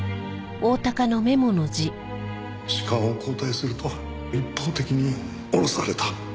「主幹を交代すると一方的に降ろされた」